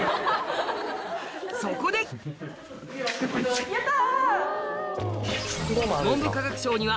そこでやった！